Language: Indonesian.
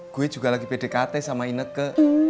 gue juga lagi pdkt sama ineke